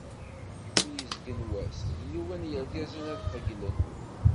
Mi yezgen wass, d nnuba n yirgazen ad qegglen.